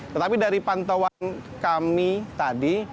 tetapi dari pantauan kami tadi